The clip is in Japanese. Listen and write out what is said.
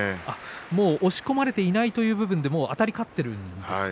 押し込まれていないという部分ではあたり勝っているんですね。